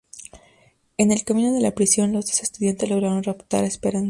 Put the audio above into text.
En el camino de la prisión, los dos estudiantes logran raptar a Esperanza.